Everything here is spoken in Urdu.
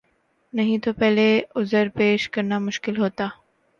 نہیں تو پہلے عذر پیش کرنا مشکل ہوتا۔